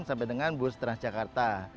sampai dengan bus transjakarta